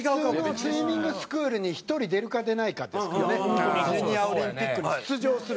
普通のスイミングスクールに１人出るか出ないかですからねジュニアオリンピックに出場するのは。